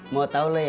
mau tau lu ya